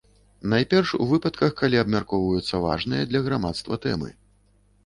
Найперш у выпадках, калі абмяркоўваюцца важныя для грамадства тэмы.